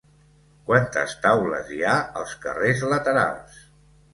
Quantes taules hi ha als carrers laterals?